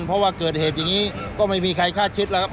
เพราะว่าเกิดเหตุอย่างนี้ก็ไม่มีใครคาดคิดแล้วครับ